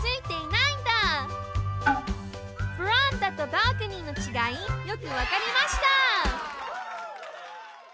ベランダとバルコニーのちがいよくわかりました！